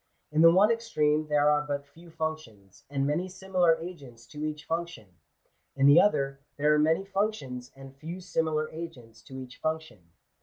In the one extreme there are but few functions, and many similar agents to each function : in the other, there are many functions, and few similar agents to each function.